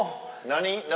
何？